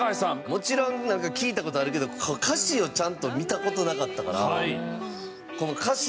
もちろん聴いた事あるけど歌詞をちゃんと見た事なかったから。